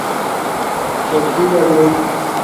شݳں چَلَݳ دݵک